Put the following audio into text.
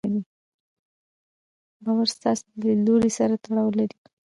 باور ستاسې له ليدلوري سره تړاو لري.